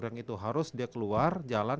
yang itu harus dia keluar jalan